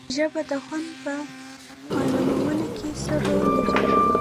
ژبه د خوند په معلومولو کې څه رول لري